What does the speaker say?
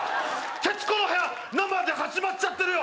徹子の部屋生で始まっちゃってるよ